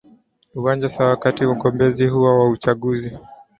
uwanja sawa katika ugombezi huo wa uchaguzi